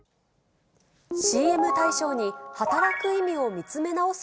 ＣＭ大賞に、働く意味を見つめ直す